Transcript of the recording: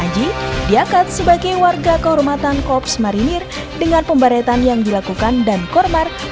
jarak delapan ratus meter